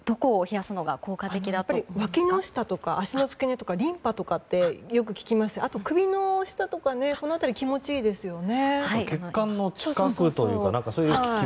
やっぱり、わきの下とか足の付け根とかリンパとかって、よく聞きますしあとは首の下とかこの辺り気持ちいいですよね。